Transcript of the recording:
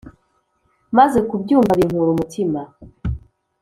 maze kubyumva binkura umutima